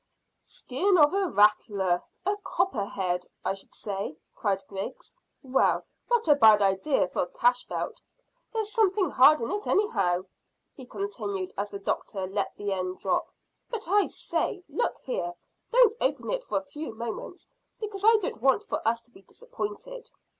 "Skin of a rattler a copperhead, I should say," cried Griggs. "Well, not a bad idea for a cash belt. There's something hard in it anyhow," he continued, as the doctor let the end drop. "But I say, look here: don't open it for a few moments, because I don't want for us to be disappointed."